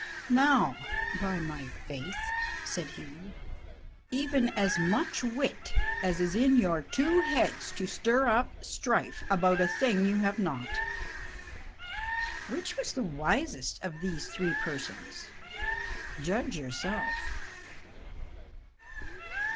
"Now, by my faith," said he, "even as much wit as is in your two heads to stir up strife about a thing you have not." Which was the wisest of these three persons, judge yourself.